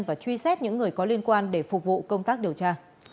và truy xét những người có liên quan để phục vụ công tác điều tra